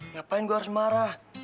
ngapain gue harus marah